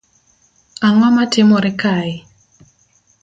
Ango matimore kae